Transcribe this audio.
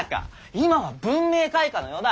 今は文明開化の世だ。